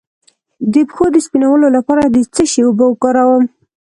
د پښو د سپینولو لپاره د څه شي اوبه وکاروم؟